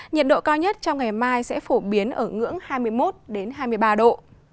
nhiệt độ cao nhất trong ngày mai sẽ phổ biến ở ngưỡng hai mươi một hai mươi ba độ